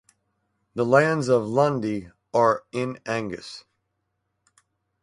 The lands of Lundie are in Angus.